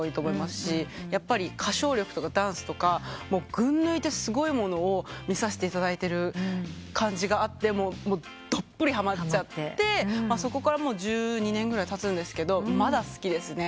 やっぱり歌唱力とかダンスとか群抜いてすごいものを見させていただいてる感じでどっぷりはまっちゃってそこから１２年ぐらいたつんですけどまだ好きですね。